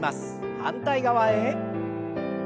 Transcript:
反対側へ。